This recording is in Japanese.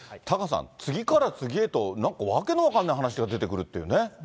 タカさん、次から次へと、なんか訳の分からない話が出てくるっていうね。